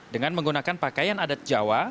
dengan menggunakan pakaian adat jawa